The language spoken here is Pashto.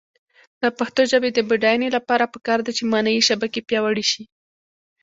د پښتو ژبې د بډاینې لپاره پکار ده چې معنايي شبکې پیاوړې شي.